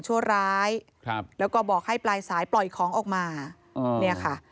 ชั่วร้ายครับแล้วก็บอกให้ปลายสายปล่อยของออกมาเนี่ยค่ะ